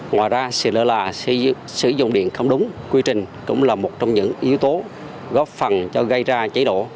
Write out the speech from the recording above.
ngoài ra sự lơ là sử dụng điện không đúng quy trình cũng là một trong những yếu tố góp phần cho gây ra cháy nổ